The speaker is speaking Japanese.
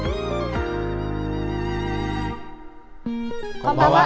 こんばんは。